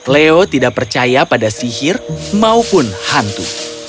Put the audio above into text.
leo tidak percaya pada sihir maupun hantu